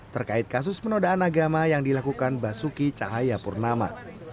terkait kasus penodaan agama yang dilakukan basuki cahaya purnama